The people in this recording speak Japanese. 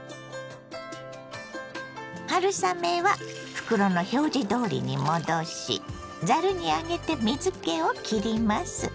春雨は袋の表示どおりに戻しざるに上げて水けをきります。